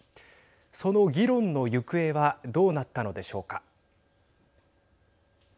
その議論の行方はどうなったのでしょうか。